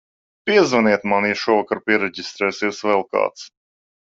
Piezvaniet man, ja šovakar piereģistrēsies vēl kāds.